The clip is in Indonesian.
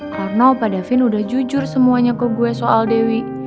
karena opa davin udah jujur semuanya ke gue soal dewi